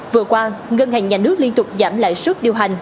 vừa qua ngân hàng nhà nước liên tục giảm lãi suất điều hành